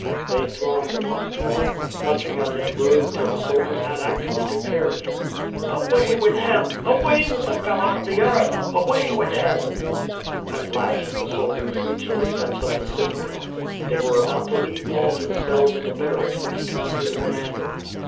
They thronged upon Paul, clutching at his robe till the soldiers had actually to carry him. " Away with him ! Away with the fellow from the earth ! Away with him !" At last the soldiers reached the steps of the citadel. They were about to lead Paul to the cells in the bar racks when he turned to the commander.